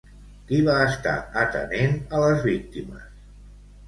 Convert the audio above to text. Qui va estar atenent a les víctimes?